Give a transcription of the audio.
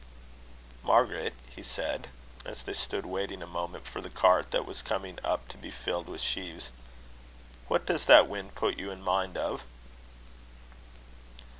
"Margaret," he said, as they stood waiting a moment for the cart that was coming up to be filled with sheaves, "what does that wind put you in mind of?"